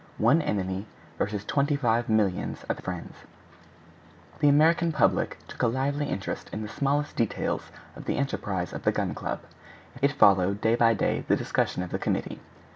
ONE ENEMY v. TWENTY FIVE MILLIONS OF FRIENDS The American public took a lively interest in the smallest details of the enterprise of the Gun Club. It followed day by day the discussion of the committee.